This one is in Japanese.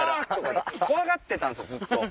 怖がってたんすよずっと。